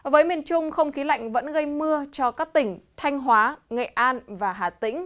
với miền trung không khí lạnh vẫn gây mưa cho các tỉnh thanh hóa nghệ an và hà tĩnh